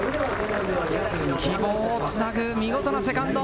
希望をつなぐ見事なセカンド。